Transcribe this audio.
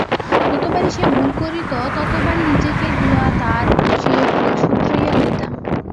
যতবারই সে ভুল করিত ততবারই নিজেকে দিয়া তার সে ভুল শোধরাইয়া লইতাম।